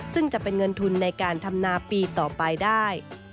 ซึ่งจะเป็นเงินทุนในการทำนาปีต่อไปได้